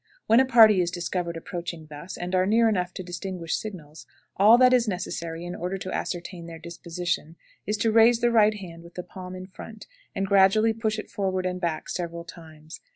When a party is discovered approaching thus, and are near enough to distinguish signals, all that is necessary in order to ascertain their disposition is to raise the right hand with the palm in front, and gradually push it forward and back several times.